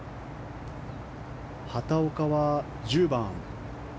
畑岡は１０番。